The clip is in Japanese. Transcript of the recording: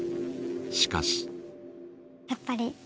しかし。